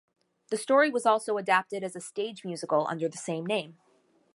The story was also adapted as a stage musical under the same name.